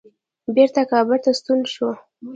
بیرته کابل ته ستون شو.